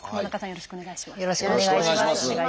よろしくお願いします。